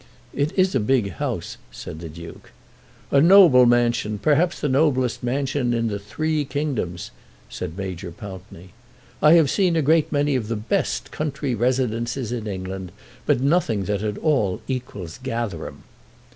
"It is a big house," said the Duke. "A noble mansion; perhaps the noblest mansion in the three kingdoms," said Major Pountney. "I have seen a great many of the best country residences in England, but nothing that at all equals Gatherum."